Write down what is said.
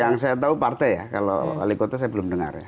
yang saya tahu partai ya kalau wali kota saya belum dengar ya